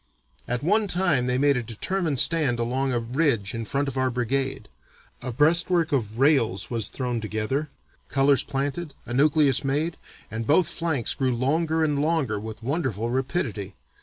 At one time they made a determined stand along a ridge in front of our brigade. A breastwork of rails was thrown together, colors planted, a nucleus made, and both flanks grew longer and longer with wonderful rapidity.